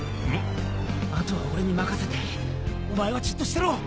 あとは俺に任せてお前はじっとしてろ！